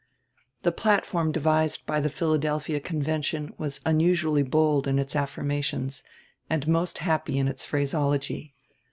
The platform devised by the Philadelphia Convention was unusually bold in its affirmations, and most happy in its phraseology.